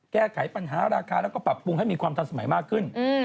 แก้ไขปัญหาราคาแล้วก็ปรับปรุงให้มีความทันสมัยมากขึ้น